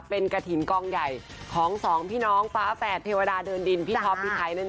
เป็นกธินกล้องใหญ่ของ๒พี่น้องพระแหฝดเทวดาเดินดินพี่ท๊อปพี่ไทย